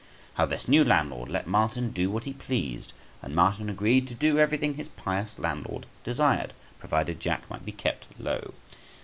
How this new landlord let Martin do what he pleased, and Martin agreed to everything his pious landlord desired, provided Jack might be kept low.